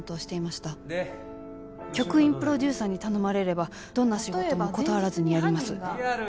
局員プロデューサーに頼まれればどんな仕事も断らずにやります。